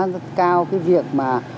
rất cao cái việc mà